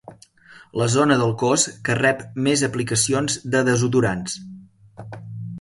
La zona del cos que rep més aplicacions de desodorants.